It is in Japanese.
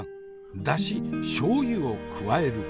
出汁しょう油を加える。